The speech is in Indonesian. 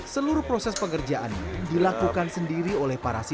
seluruh proses pengerjaan dilakukan sendiri oleh ma'arif